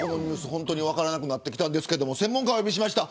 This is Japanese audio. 本当に分からなくなってきたんですけれど専門家をお呼びしました。